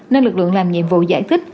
nên lực lượng làm nhiệm vụ giải thích